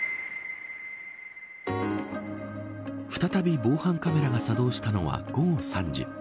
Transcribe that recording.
再び防犯カメラが作動したのは午後３時。